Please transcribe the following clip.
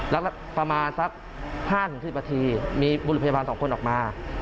แล้วก็สักประมาณ๕๑๐ประถีมีบุรุพยาบาล๒คนออกมา